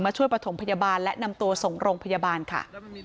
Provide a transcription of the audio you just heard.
ช่วยประถมพยาบาลและนำตัวส่งโรงพยาบาลค่ะ